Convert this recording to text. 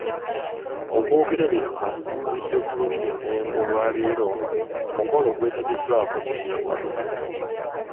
Okwogera bino, asinzidde ku Lubiri e Mmengo olwaleero ku mukolo ogwetabiddwako Mmeeya wa Lubaga.